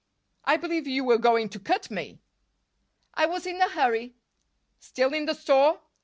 "I believe you were going to cut me!" "I was in a hurry." "Still in the store?"